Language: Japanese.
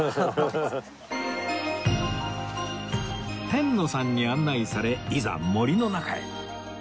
天野さんに案内されいざ森の中へ